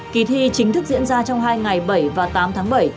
kỳ thi chính thức diễn ra trong hai ngày bảy và tám tháng bảy